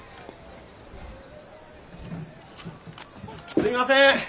すいません。